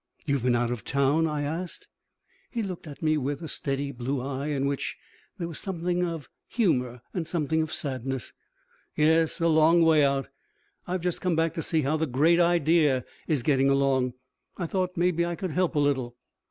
"You've been out of town?" I asked. He looked at me with a steady blue eye in which there was something of humor and something of sadness. "Yes, a long way out. I've just come back to see how the Great Idea is getting along. I thought maybe I could help a little."